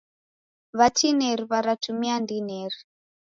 W'atineri w'aratumia ndineri.